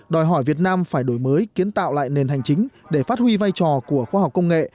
đòi hỏi việt nam phải đổi mới kiến tạo lại nền hành chính để phát huy vai trò của khoa học công nghệ